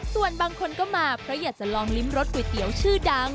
ส่วนบางคนก็มาเพราะอยากจะลองลิ้มรสก๋วยเตี๋ยวชื่อดัง